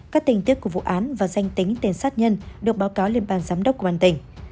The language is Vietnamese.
các tình tiết của vụ án và danh tính tên sát nhân được báo cáo lên bàn giám đốc của bàn tỉnh